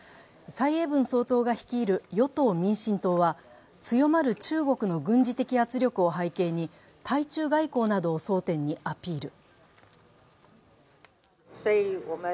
蔡英文総統が率いる与党・民進党は強まる中国の軍事的圧力を背景に対中外交などを争点にアピール。